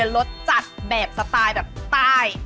รสจัดแบบสไตล์แบบใต้